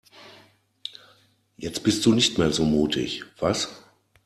Jetzt bist du nicht mehr so mutig, was?